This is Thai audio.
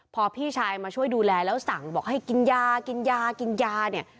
พอพี่ชายมาช่วยดูแลแล้วสั่งบอกให้กินยากินยากินยาเนี่ย